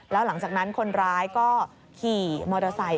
แล้วหลังจากนั้นคนร้ายก็ขี่มอเตอร์ไซค